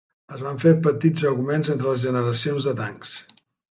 Es van fer petits augments entre les generacions de tancs.